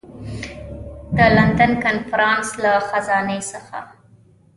د لندن کنفرانس له خزانې څخه.